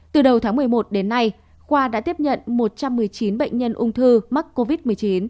từ đầu tháng một mươi một đến nay khoa đã tiếp nhận một trăm một mươi chín bệnh nhân ung thư mắc covid một mươi chín